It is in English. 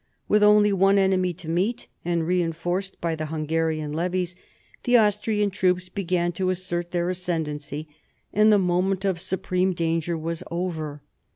With only one enemy to meet, and reinforced by the Hungarian levies, the Austrian troops began to assert their ascendency, and the moment of supreme danger was over.